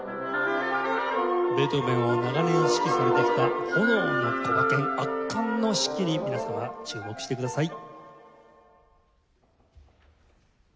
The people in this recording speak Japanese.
ベートーヴェンを長年指揮されてきた炎のコバケン圧巻の指揮に皆様注目してください。